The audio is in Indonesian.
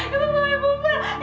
ibu mau pulang